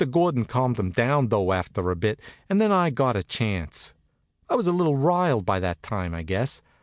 Gordon calmed 'em down though after a bit, and then I got a chance. I was a little riled by that time, I guess.